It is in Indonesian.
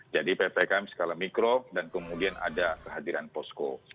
jadi ppkm skala mikro dan kemudian ada kehadiran posko